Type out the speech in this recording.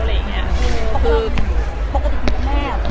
ปกติคุณแม่อะ